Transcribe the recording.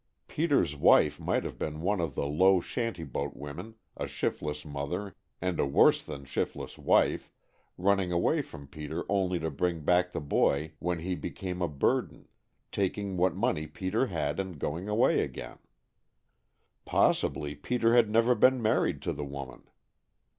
Peter's wife might have been one of the low shanty boat women, a shiftless mother and a worse than shiftless wife, running away from Peter only to bring back the boy when he became a burden, taking what money Peter had and going away again. Possibly Peter had never been married to the woman.